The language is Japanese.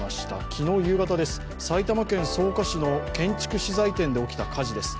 昨日夕方埼玉県草加市の建築資材店で起きた火事です。